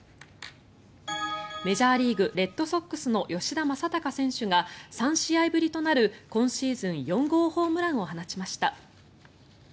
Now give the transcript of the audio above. メジャーリーグレッドソックスの吉田正尚選手が３試合ぶりとなる今シーズン４号ホームランを放ちました。